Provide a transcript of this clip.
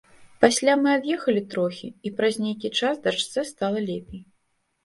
Пасля мы ад'ехалі трохі, і праз нейкі час дачцэ стала лепей.